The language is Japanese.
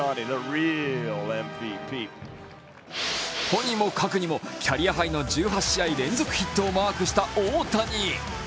とにもかくにも、キャリアハイの１８試合連続ヒットをマークした大谷。